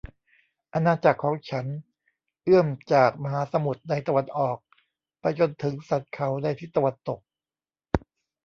อาณาจักรของฉันเอื้อมจากมหาสมุทรในตะวันออกไปจนถึงสันเขาในทิศตะวันตก